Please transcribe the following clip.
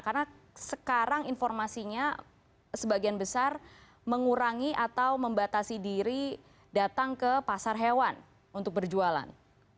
karena sekarang informasinya sebagian besar mengurangi atau membatasi diri datang ke pasar hewan untuk berjualan